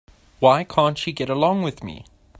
Why can't she get along with me?